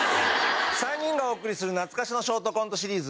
３人がお送りする懐かしのショートコントシリーズ。